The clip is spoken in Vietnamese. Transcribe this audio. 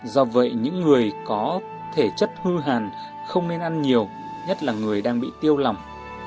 do vậy những người có thể chất hư hàn không nên ăn nhiều nhất là người đang bị tiêu lòng